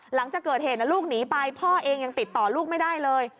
หลังจากเกิดเหตุลูกหนีไปพ่อเองยังติดต่อลูกไม่ได้เลย